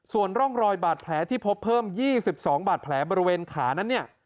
ส่วนร่องรอยบาดแผลที่พบเพิ่ม๒๒บาดแผลบริเวณขานั้นเนี่ย